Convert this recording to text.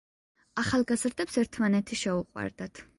ახალგაზრდებს ერთმანეთი შეუყვარდათ.